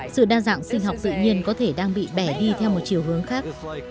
sự đa dạng sinh học tự nhiên có thể đang bị bẻ đi theo một chiều hướng khác